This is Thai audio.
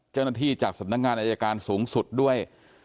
เจ้าหน้าที่จากสำนักงานอายการสูงสุดด้วย